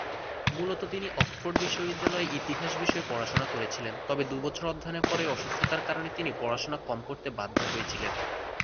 মূলত তিনি অক্সফোর্ড বিশ্ববিদ্যালয়ে ইতিহাস বিষয়ে পড়াশোনা করেছিলেন, তবে দু'বছর অধ্যয়নের পরেই অসুস্থতার কারণে তিনি পড়াশুনা কম করতে বাধ্য হয়েছিলেন।